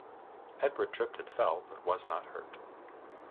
Edward tripped and fell, but was not hurt.